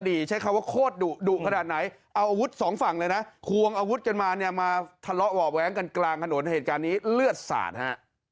ใช้คำว่าโคตรดุดุขนาดไหนเอาอาวุธสองฝั่งเลยนะควงอาวุธกันมาเนี่ยมาทะเลาะห่อแว้งกันกลางถนนเหตุการณ์นี้เลือดสาดฮะ